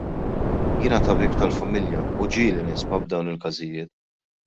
Jiena tabib tal-familja u ġieli nisma' b'dawn il-każijiet.